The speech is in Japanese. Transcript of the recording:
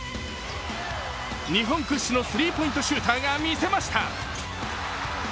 日本屈指のスリーポイントシューターがみせました。